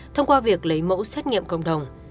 thông qua việc lấy mẫu xét nghiệm cộng đồng